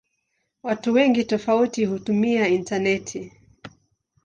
Watu wengi tofauti hutumia intaneti.